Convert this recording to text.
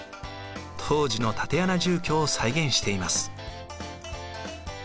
当時の竪穴住居を再現しています。